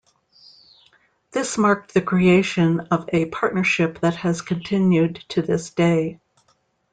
This marked the creation of a partnership that has continued to this day.